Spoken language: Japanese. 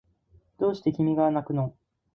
どうして君がなくの